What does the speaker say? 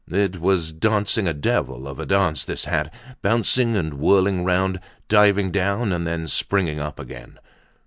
It was dancing a devil of a dance, this hat—bouncing and whirling round, diving down and then springing up again.